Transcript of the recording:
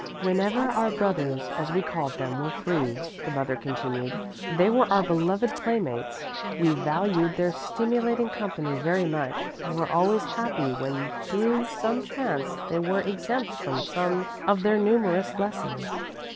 "Whenever our brothers, as we called them, were free," the mother continued, "they were our beloved playmates. We valued their stimulating company very much and were always happy when through some chance they were exempt from some of their numerous lessons.